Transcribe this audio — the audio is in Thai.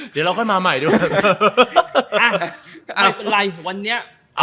เดี๋ยวเราก็มาใหม่ดีกว่า